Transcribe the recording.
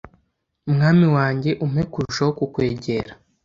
Mwami wanjye umpe kurushaho kukwegera